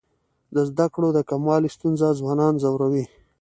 د زده کړو د کموالي ستونزه ځوانان ځوروي.